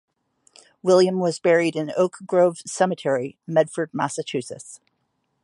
William was buried in Oak Grove Cemetery, Medford, Massachusetts.